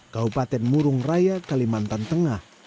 kabupaten murung raya kalimantan tengah